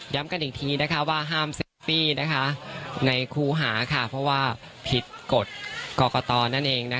ย้ำกันอีกทีว่าห้ามเซฟตี้ในครูหาเพราะว่าผิดกฎกรกตอน